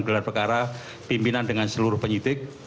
gelar perkara pimpinan dengan seluruh penyidik